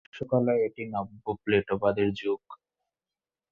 দৃশ্যকলায় এটি নব্যপ্লেটোবাদের যুগ।